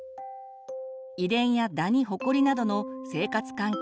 遺伝やダニホコリなどの生活環境